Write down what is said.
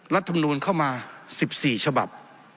รัฐมนูลเข้ามา๑๔ฉบับ